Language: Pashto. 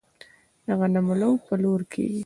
د غنمو لو په لور کیږي.